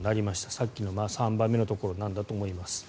さっきの３番目のところなんだと思います。